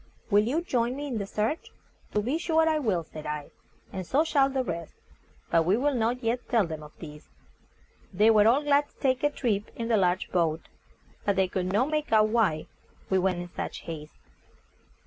Will you join me in the search?" "To be sure I will," said I; "and so shall the rest; but we will not yet tell them of this." They were all glad to take a trip in the large boat, but they could not make out why we went in such haste.